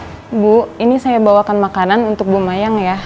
ibu ini saya bawakan makanan untuk bu mayang ya